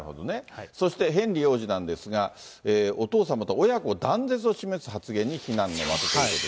そしてヘンリー王子なんですが、お父様と親子断絶を示す発言に非難の的ということで。